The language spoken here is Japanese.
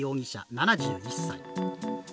７１歳。